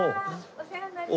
お世話になります。